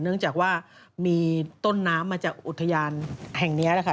เนื่องจากว่ามีต้นน้ำมาจากอุทยานแห่งนี้แหละค่ะ